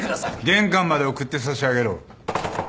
玄関まで送ってさしあげろ。